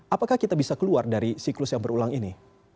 apakah kita bisa keluar dari siklus yang berulang ini